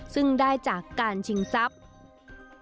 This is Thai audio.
ซึ่งได้จากการชิงทรัพย์